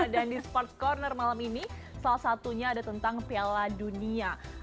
dan di sports corner malam ini salah satunya ada tentang piala dunia